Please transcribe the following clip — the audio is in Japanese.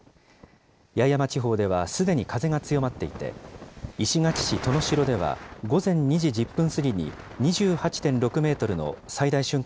八重山地方ではすでに風が強まっていて、石垣市登野城では午前２時１０分過ぎに２８．６メートルの最大瞬間